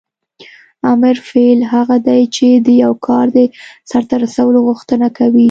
امر فعل هغه دی چې د یو کار د سرته رسولو غوښتنه کوي.